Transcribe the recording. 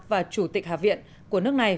và chủ tịch hạ viện của nước này